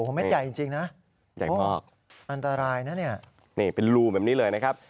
มันไม่ใหญ่จริงนะโอ้โฮอันตรายนะเนี่ยเป็นรูแบบนี้เลยนะครับ